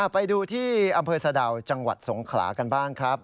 ไปดูที่อำเภอสะดาวจังหวัดสงขลากันบ้างครับ